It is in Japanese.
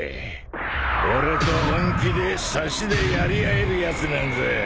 俺と本気で差しでやり合えるやつなんざ